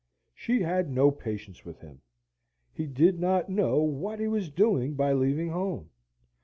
She had no patience with him. He did not know what he was doing by leaving home.